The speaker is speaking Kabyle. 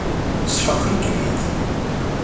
Sfaqen-kem-id.